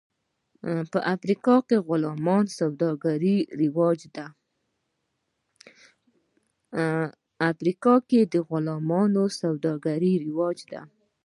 افریقا کې غلامانو سوداګري رواج درلود.